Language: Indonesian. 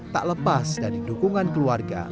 tak lepas dari dukungan keluarga